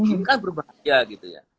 ini kan berbahaya gitu ya